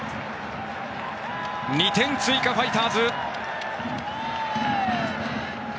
２点追加、ファイターズ。